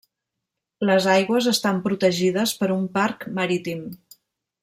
Les aigües estan protegides per un Parc Marítim.